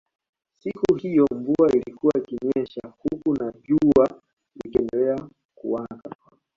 Siku hiyo mvua ilikuwa ikinyesha huku na jua likiendelea kuwaka